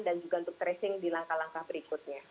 dan juga untuk tracing di langkah langkah berikutnya